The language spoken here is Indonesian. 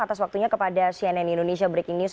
atas waktunya kepada cnn indonesia breaking news